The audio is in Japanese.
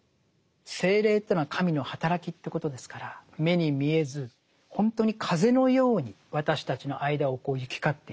聖霊というのは神のはたらきということですから目に見えず本当に風のように私たちの間を行き交っている。